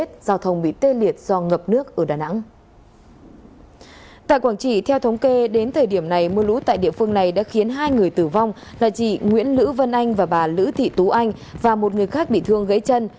tại quảng trị theo thống kê đến thời điểm này mưa lũ tại địa phương này đã khiến hai người tử vong là chị nguyễn nữ anh và bà lữ thị tú anh và một người khác bị thương gãy chân